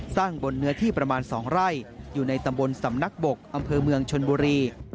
สร้างบนเนื้อที่ประมาณ๒ไร่อยู่ในตำบลสำนักบกอำเภอเมืองชนบุรี